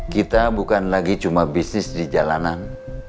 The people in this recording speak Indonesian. kita bukan lagi cuma bisnis di jalanan